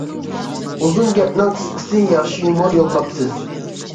ئۇزۇن گەپنىڭ قىسقىسى، ياخشى يۇمۇر يوللاپسىز!